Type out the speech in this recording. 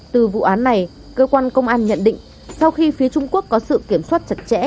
từ vụ án này cơ quan công an nhận định sau khi phía trung quốc có sự kiểm soát chặt chẽ